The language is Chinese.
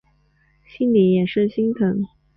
心里也是心疼